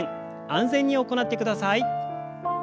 安全に行ってください。